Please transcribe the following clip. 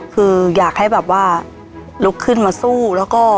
คืออยากให้แบบว่าลุกขึ้นมาสู้แล้วก็